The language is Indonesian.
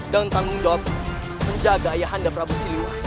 dan tanggung jawab penjaga ayanda prabu silwangi